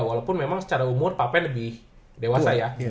walaupun memang secara umur papan lebih dewasa ya